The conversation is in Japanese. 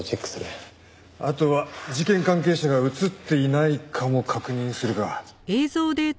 あとは事件関係者が映っていないかも確認するか。